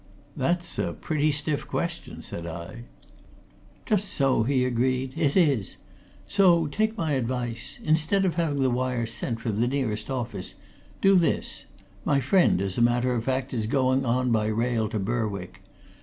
"That's a pretty stiff question!" said I. "Just so!" he agreed. "It is. So take my advice. Instead of having the wire sent from the nearest office, do this my friend, as a matter of fact, is going on by rail to Berwick.